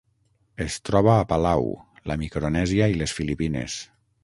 Es troba a Palau, la Micronèsia i les Filipines.